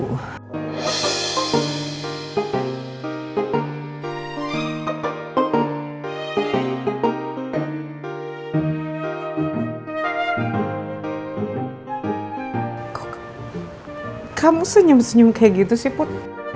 aku kamu senyum senyum kayak gitu sih put